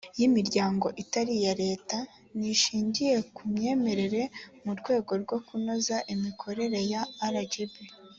y imiryango itari iya leta n ishingiye ku myemerere mu rwego rwo kunoza imikorere ya rgb